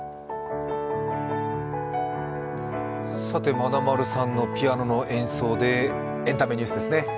まなまるさんのピアノの演奏でエンタメニュースですね。